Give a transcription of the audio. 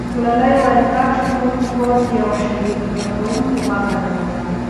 ګلالۍ وویل کاشکې مو په کور کې یوه شیدې ورکوونکې غوا درلودای.